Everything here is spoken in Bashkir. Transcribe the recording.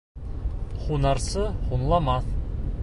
Һунарсы һуңламаҫ.